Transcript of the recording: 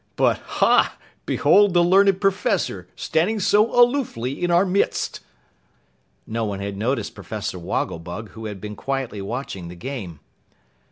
"But hah! Behold the learned Professor standing so aloofly in our midst." No one had noticed Professor Wogglebug, who had been quietly watching the game.